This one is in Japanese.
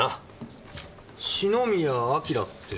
篠宮彬って。